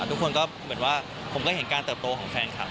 ทุกคนก็เหมือนว่าผมก็เห็นการเติบโตของแฟนคลับ